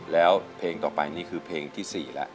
แล้วเพลงต่อไปนี่คือเพลงที่๔แล้ว